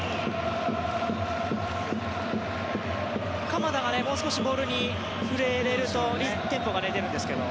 鎌田がもう少しボールに触れれるとテンポが出るんですけど。